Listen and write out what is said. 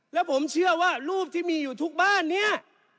แล้วผมเชื่อว่ารูปที่มีอยู่ทุกบ้านเนี่ย